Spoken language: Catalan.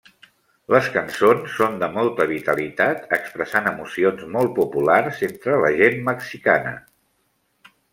Les cançons són de molta vitalitat, expressant emocions molt populars entre la gent mexicana.